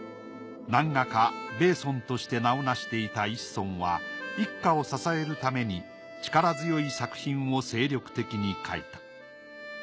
南画家米邨として名を成していた一村は一家を支えるために力強い作品を精力的に描いた。